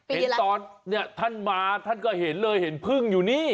เห็นตอนเนี่ยท่านมาท่านก็เห็นเลยเห็นพึ่งอยู่นี่